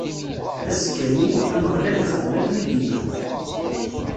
Azekka-nni, Ameɣlal ixdem akken i d-inna.